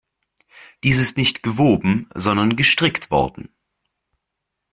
Dies ist nicht gewoben, sondern gestrickt worden.